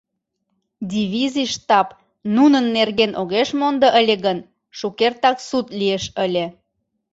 Дивизий штаб нунын нерген огеш мондо ыле гын, шукертак суд лиеш ыле.